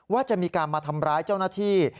ว่าจะมีการมาทำร้ายเจ้าหน้าที่